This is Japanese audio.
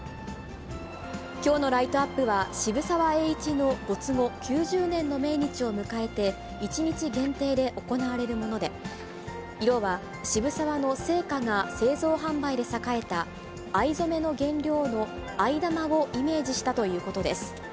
きょうのライトアップは、渋沢栄一の没後９０年の命日を迎えて１日限定で行われるもので、色は渋沢の生家が製造販売で栄えた、藍染めの原料の藍玉をイメージしたということです。